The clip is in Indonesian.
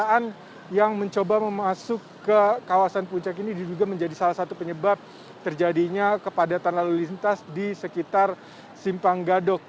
kendaraan yang mencoba memasuk ke kawasan puncak ini diduga menjadi salah satu penyebab terjadinya kepadatan lalu lintas di sekitar simpang gadok